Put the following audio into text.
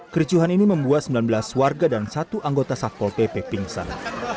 kericuhan ini membuat sembilan belas warga dan satu anggota satpol pp pingsan